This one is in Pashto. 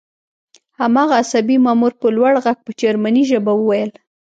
هماغه عصبي مامور په لوړ غږ په جرمني ژبه وویل